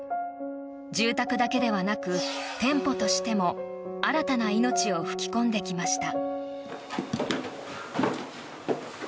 住宅だけではなく店舗としても新たな命を吹き込んできました。